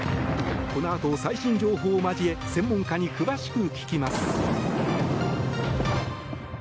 このあと、最新情報を交え専門家に詳しく聞きます。